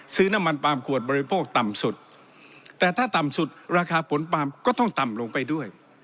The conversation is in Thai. ซื้อน้ำมันปลามขวดบริโภคต่ำสุดแต่ถ้าต่ำสุดราคาผลปาล์มก็ต้องต่ำลงไปด้วย